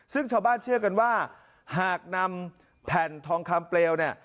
ซึ่งชาวบ้านเชื่อกันว่าหากนำแผ่นทองคำเปลวเนี่ย